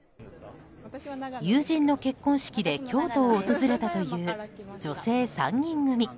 友人の結婚式で京都を訪れたという女性３人組。